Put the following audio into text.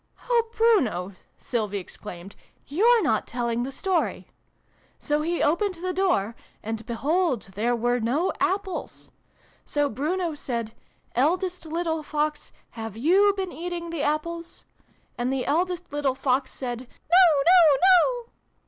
"Oh, Bruno!" Sylvie exclaimed, " yoiire not telling the story ! So he opened the door, and behold, there were no Apples ! So Bruno said ' Eldest little Fox, have you been eating the Apples ?' And the eldest little Fox said ' No no no!